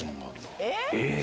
えっ！